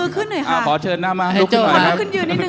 คนไหนเป็นหน้าม้ายกมือขึ้นหน่อยค่ะ